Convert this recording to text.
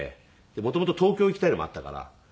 元々東京行きたいのもあったから。